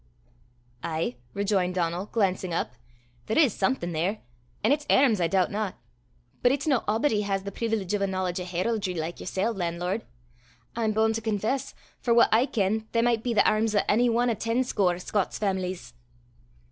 "Ay," rejoined Donal, glancing up; "there is something there an' it's airms I doobtna; but it's no a'body has the preevilege o' a knowledge o' heraldry like yersel', lan'lord! I'm b'un' to confess, for what I ken they micht be the airms o' ony ane o' ten score Scots faimilies."